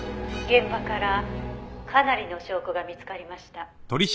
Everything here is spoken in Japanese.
「現場からかなりの証拠が見つかりました」